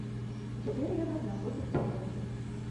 Цяпер яна знаходзіцца дома.